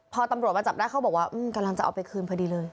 พอตำรวจมาจับได้เขากำลังจะเอาไปพูดเที่ยวเพื่อดีเลย